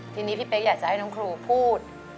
ทีนี้พี่เป๊กอยากจะให้น้องครูพูด